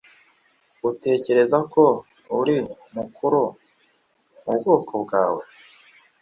utekereza ko uri mukuru mu bwonko bwawe